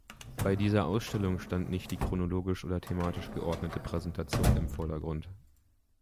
Bei dieser Ausstellung stand nicht die chronologisch oder thematisch geordnete Präsentation im Vordergrund.